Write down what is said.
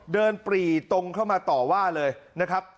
ปรีตรงเข้ามาต่อว่าเลยนะครับ